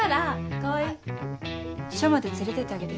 川合署まで連れて行ってあげて。